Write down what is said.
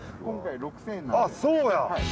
あっそうや！